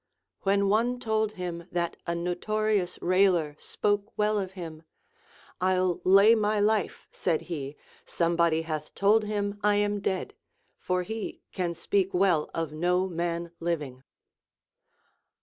AVhen one told him that an notorious railer spoke well of him ; I'll lay my life, said he, somebody hatli told him I am dead, for he can speak well of no man living.